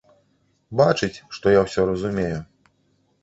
Бачыць, што я ўсё разумею.